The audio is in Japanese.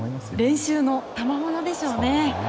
練習のたまものでしょうね。